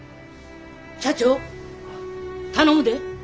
社長頼むで。